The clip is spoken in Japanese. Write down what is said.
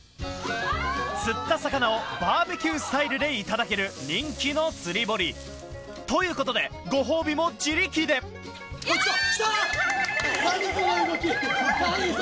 釣った魚をバーベキュースタイルでいただける人気の釣り堀ということでご褒美も自力で何その動き！